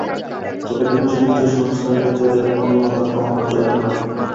তবে কিনা সে নিজের সংস্কার নিয়ে তেড়ে অন্যকে আক্রমণ করতে যায় না।